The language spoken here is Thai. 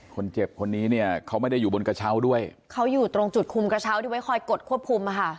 คนนี้เนี่ยเขาไม่ได้อยู่บนกระเช้าด้วยเขาอยู่ตรงจุดคุมกระเช้าที่ไว้คอยกดควบคุมอ่ะค่ะ